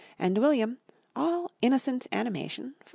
And William, all innocent animation, followed.